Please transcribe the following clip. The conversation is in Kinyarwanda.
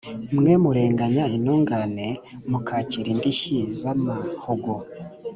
mwe murenganya intungane, mukakira indishyi z’amahugu,